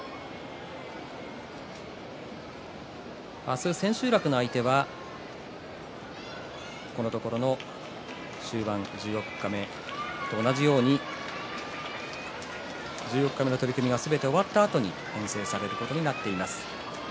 明日千秋楽の相手はこのところの終盤、十四日目と同じように十四日目の取組がすべて終わったあとに編成されることになっています。